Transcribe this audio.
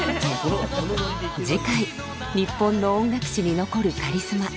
次回日本の音楽史に残るカリスマ尾崎豊。